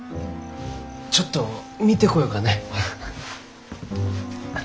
ちょっと見てこようかね。